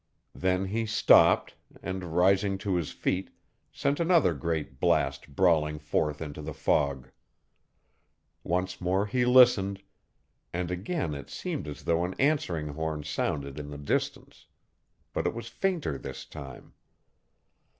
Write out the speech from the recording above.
Then he stopped, and, rising to his feet, sent another great blast brawling forth into the fog. Once more he listened, and again it seemed as though an answering horn sounded in the distance. But it was fainter this time.